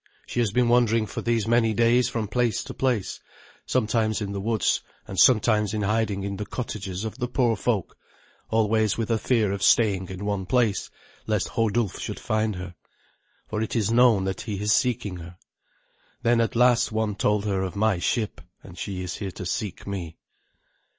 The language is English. She has been wandering for these many days from place to place, sometimes in the woods, and sometimes in hiding in the cottages of the poor folk, always with a fear of staying in one place, lest Hodulf should find her, for it is known that he is seeking her. Then at last one told her of my ship, and she is here to seek me."